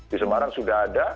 di semarang sudah ada